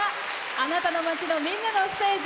あなたの街の、みんなのステージ